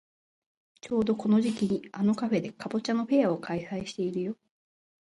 ちょうどこの時期にあのカフェでかぼちゃのフェアを開催してるよ。